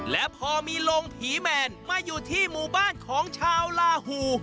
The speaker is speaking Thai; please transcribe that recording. และพอมีลงผีแมนมาอยู่ที่หมู่บ้านของชาวลาหู